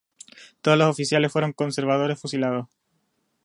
Todos los oficiales conservadores fueron fusilados.